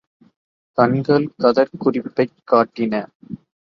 கண்கள் காதற் குறிப்பைக் காட்டின.